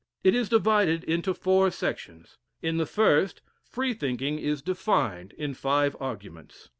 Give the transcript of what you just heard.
It is divided into four sections. In the 1st, Freethinking is defined in five arguments.